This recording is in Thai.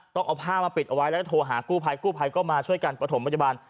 ต้องเอาผ้ามาปิดเอาไว้แล้วก็โทรหากู้ภัยกู้ภัยก็มาช่วยกันประถมพยาบาล